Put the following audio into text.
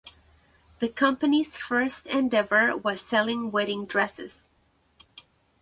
The company’s first endeavor was selling wedding dresses.